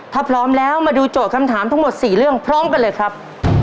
ถ้าพร้อมแล้วมาดูโจทย์คำถามทั้งหมด๔เรื่องพร้อมกันเลยครับ